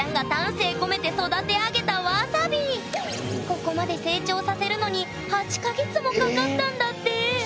ここまで成長させるのに８か月もかかったんだってええ